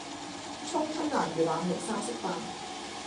蔥吞拿魚腩茸三色飯